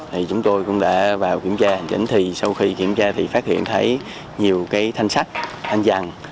thì chúng tôi cũng đã vào kiểm tra chẳng thì sau khi kiểm tra thì phát hiện thấy nhiều cái thanh sách thanh giằng